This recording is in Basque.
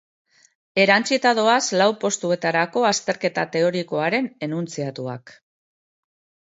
Erantsita doaz lau postuetarako azterketa teorikoaren enuntziatuak.